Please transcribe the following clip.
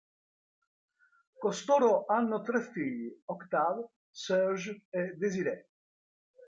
Costoro hanno tre figli: Octave, Serge e Desirée.